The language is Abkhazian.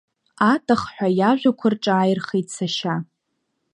Атахҳәа иажәақуа рҿааирхеит сашьа.